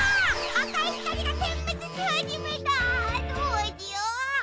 あかいひかりがてんめつしはじめた！どうしよっ！？